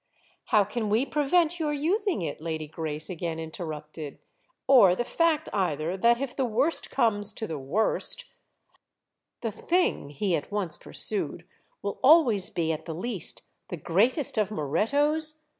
"How can we prevent your using it?" Lady Grace again interrupted; "or the fact either that if the worst comes to the worst—" "The thing"—he at once pursued—"will always be at the least the greatest of Morettos?